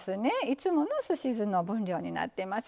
いつものすし酢の分量になってます。